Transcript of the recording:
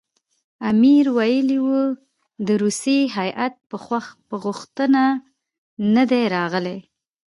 امیر ویلي وو د روسیې هیات په غوښتنه نه دی راغلی.